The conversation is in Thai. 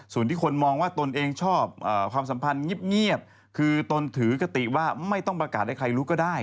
ส่วนที่คนมองว่าตนเองชอบความสัมพันธ์เงียบคือตนถือคติว่าไม่ต้องประกาศให้ใครรู้ก็ได้